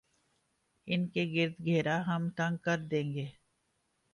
ان کے گرد گھیرا ہم تنگ کر دیں گے۔